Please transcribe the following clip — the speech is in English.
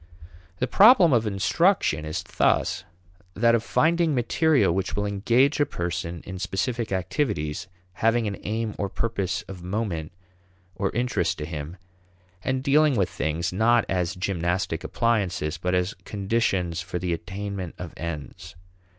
The problem of instruction is thus that of finding material which will engage a person in specific activities having an aim or purpose of moment or interest to him, and dealing with things not as gymnastic appliances but as conditions for the attainment of ends.